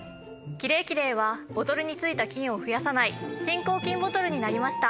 キレイキレイはボトルについた菌を増やさない新抗菌ボトルになりました。